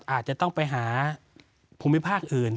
อาจจะต้องไปหาภูมิภาคอื่น